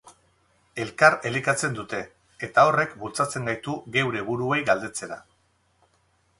Elkar elikatzen dute, eta horrek bultzatzen gaitu geure buruei galdetzera.